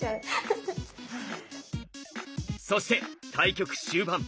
そして対局終盤。